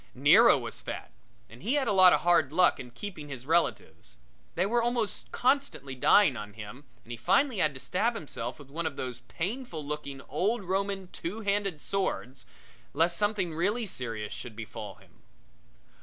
Nero was fat, and he had a lot of hard luck in keeping his relatives they were almost constantly dying on him and he finally had to stab himself with one of those painful looking old Roman two handed swords, lest something really serious befall him.